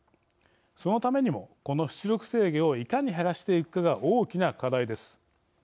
そのためにも、この出力制御をいかに減らしていくかが大きな課題です。